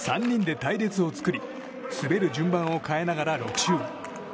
３人で隊列を作り滑る順番を変えながら６周。